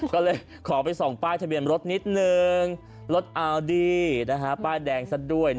ก็เลยขอไปส่องป้ายทะเบียนรถนิดนึงรถอัลดี้ป้ายแดงซะด้วย